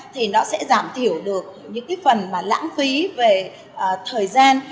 thì nó sẽ giảm thiểu được những cái phần mà lãng phí về thời gian